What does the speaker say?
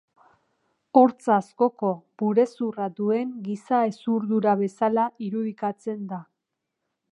Hortz askoko burezurra duen giza hezurdura bezala irudikatzen da.